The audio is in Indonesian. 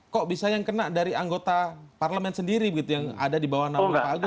kok bisa yang kena dari anggota parlemen sendiri begitu yang ada di bawah naung pak agus